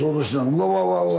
うわうわうわうわ！